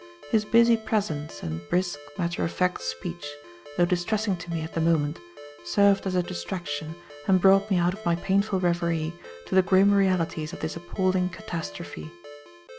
His busy presence and brisk, matter of fact speech, though distressing to me at the moment, served as a distraction and brought me out of my painful reverie to the grim realities of this appalling catastrophe.